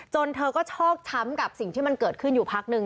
เธอก็ชอกช้ำกับสิ่งที่มันเกิดขึ้นอยู่พักนึง